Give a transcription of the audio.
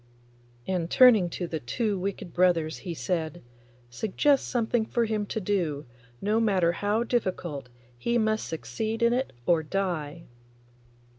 And turning to the two wicked brothers he said, 'Suggest something for him to do; no matter how difficult, he must succeed in it or die.